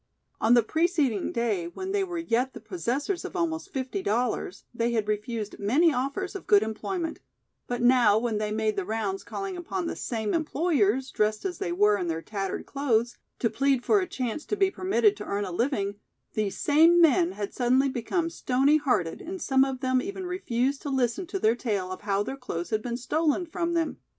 On the preceding day, when they were yet the possessors of almost fifty dollars, they had refused many offers of good employment, but now when they made the rounds calling upon the same employers, dressed as they were in their tattered clothes, to plead for a chance to be permitted to earn a living, these same men had suddenly become stony hearted and some of them even refused to listen to their tale of how their clothes had been stolen from them.